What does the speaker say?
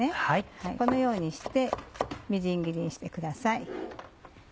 このようにしてみじん切りにしてください。